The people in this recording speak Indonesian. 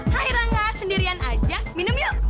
hai rangga sendirian aja minum yuk